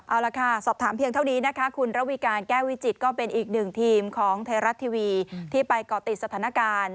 เอาละค่ะสอบถามเพียงเท่านี้นะคะคุณระวีการแก้ววิจิตก็เป็นอีกหนึ่งทีมของไทยรัฐทีวีที่ไปเกาะติดสถานการณ์